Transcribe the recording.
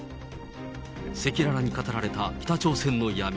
赤裸々に語られた北朝鮮の闇。